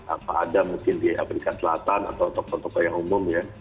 apa ada mungkin di amerika selatan atau toko toko yang umum ya